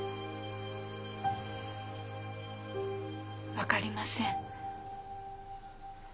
分かりません。